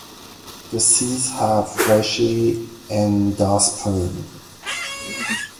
The seeds have fleshy endosperm.